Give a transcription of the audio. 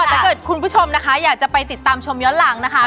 ถ้าเกิดคุณผู้ชมนะคะอยากจะไปติดตามชมย้อนหลังนะคะ